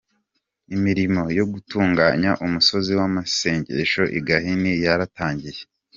Imirimo yo gutunganya Umusozi w'Amasengesho i Gahini yaratangiye.